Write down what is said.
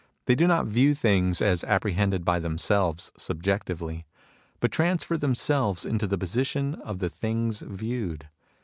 They do not view things as apprehended by themselves, subjectively ; but transfer themselves into the position of the things viewed.